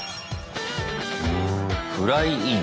「フライイン」。